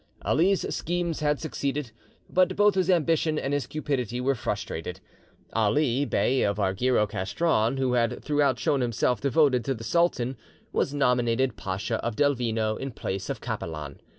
Ali's schemes had succeeded, but both his ambition and his cupidity were frustrated. Ali, Bey of Argyro Castron, who had throughout shown himself devoted to the sultan, was nominated Pacha of Delvino in place of Capelan.